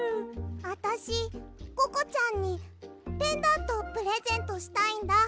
あたしココちゃんにペンダントプレゼントしたいんだ。